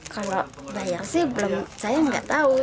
kalau bayar sih belum saya nggak tahu